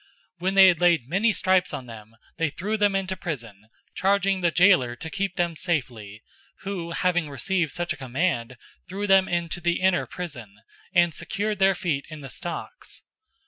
016:023 When they had laid many stripes on them, they threw them into prison, charging the jailer to keep them safely, 016:024 who, having received such a charge, threw them into the inner prison, and secured their feet in the stocks.